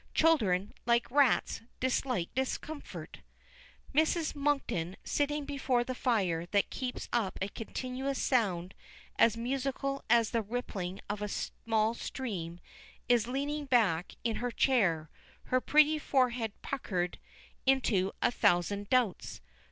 Children, like rats, dislike discomfort. Mrs. Monkton, sitting before the fire, that keeps up a continuous sound as musical as the rippling of a small stream, is leaning back in her chair, her pretty forehead puckered into a thousand doubts.